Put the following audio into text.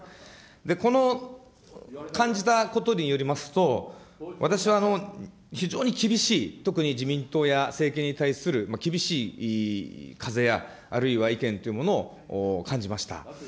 この感じたことによりますと、私は、非常に厳しい、特に自民党や政権に対する厳しい風や、あるいは意見というものを感じました。